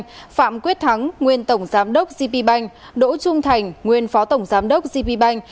phạm quyết thắng nguyên tổng giám đốc gp bank đỗ trung thành nguyên phó tổng giám đốc gp bank